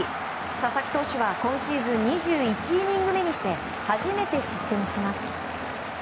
佐々木投手は今シーズン２１イニング目にして初めて失点します。